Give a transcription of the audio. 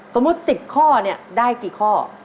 สมมุติ๑๐ข้อได้กี่ข้อ